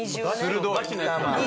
鋭い。